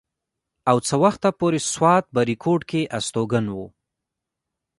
او څه وخته پورې سوات بريکوت کښې استوګن وو